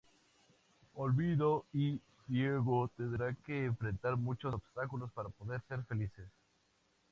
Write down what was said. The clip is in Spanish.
Olvido y Diego tendrán que enfrentar muchos obstáculos para poder ser felices.